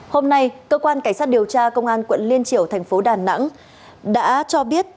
hôm nay cơ quan cảnh sát điều tra công an quận liên triểu thành phố đà nẵng đã cho biết